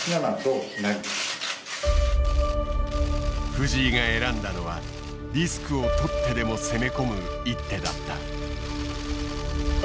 藤井が選んだのはリスクをとってでも攻め込む一手だった。